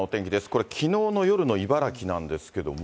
これ、きのうの夜の茨城なんですけれども。